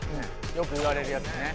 よく言われるやつね。